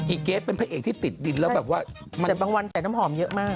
เกรสเป็นพระเอกที่ติดดินแล้วแบบว่าแต่บางวันใส่น้ำหอมเยอะมาก